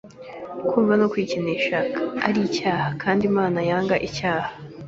Kumva ko kwikinisha ari icyaha kandi ko Imana yanga icyaha.